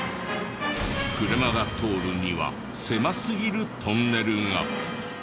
車が通るには狭すぎるトンネルが。